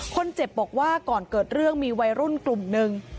คนเจ็บบอกว่าก่อนเกิดเรื่องมีวัยรุ่นกลุ่มหนึ่ง